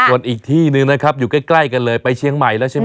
ส่วนอีกที่หนึ่งนะครับอยู่ใกล้กันเลยไปเชียงใหม่แล้วใช่ไหม